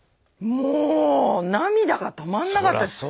もう涙が止まんなかったです。